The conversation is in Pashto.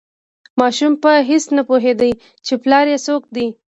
ماشوم په هیڅ نه پوهیده چې پلار یې څوک دی.